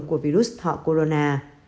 của virus thọ corona